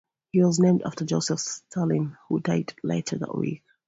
He was named after Joseph Stalin, who died later that week.